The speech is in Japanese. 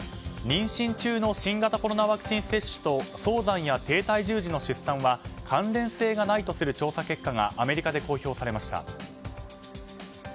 妊娠中の新型コロナワクチン接種と早産や低体重児の出産は、関連性がないとする調査結果がアメリカで公表されました。